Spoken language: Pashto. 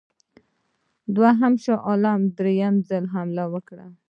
دوهم شاه عالم درېم ځل حمله وکړه.